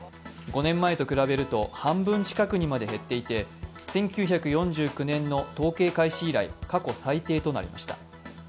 ５年前と比べると半分近くにまで減っていて１９４９年の統計開始以来、過去最低となりました。